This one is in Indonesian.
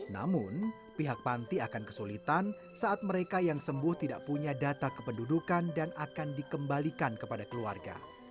namun pihak panti akan kesulitan saat mereka yang sembuh tidak punya data kependudukan dan akan dikembalikan kepada keluarga